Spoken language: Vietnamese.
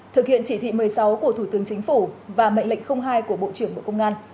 thực hiện chỉ thị một mươi sáu của thủ tướng chính phủ và mệnh lệnh hai của bộ trưởng bộ công an